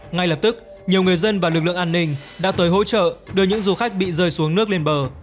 ngay lập tức nhiều người dân và lực lượng an ninh đã tới hỗ trợ đưa những du khách bị rơi xuống nước lên bờ